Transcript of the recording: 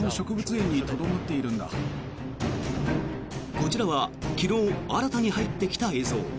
こちらは昨日、新たに入ってきた映像。